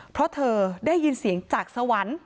เพราะเธอได้ยินเสียงจากสวรรค์